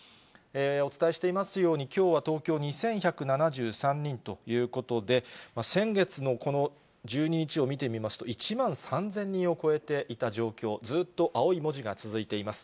お伝えしていますように、きょうは東京２１７３人ということで、先月のこの１２日を見てみますと、１万３０００人を超えていた状況、ずっと青い文字が続いています。